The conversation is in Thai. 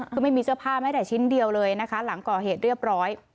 คือไม่มีเสื้อผ้าแม้แต่ชิ้นเดียวเลยนะคะหลังก่อเหตุเรียบร้อย